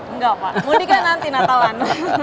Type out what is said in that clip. enggak pak mudik kan nanti natalan